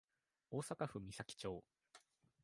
大阪府岬町